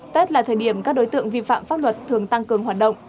tết là thời điểm các đối tượng vi phạm pháp luật thường tăng cường hoạt động